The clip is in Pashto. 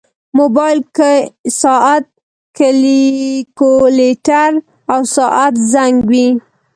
موبایل کې ساعت، کیلکولیټر، او ساعت زنګ وي.